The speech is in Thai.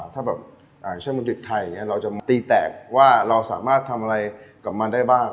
ถ้าแบบอาหารโฉ่นมันดีไทยเราจะมีตีแตกว่าเราสามารถทำอะไรกับมันได้บ้าง